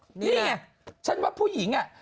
นี่ไงฉันว่าผู้หญิงอ่ะ